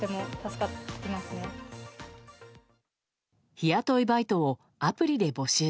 日雇いバイトをアプリで募集。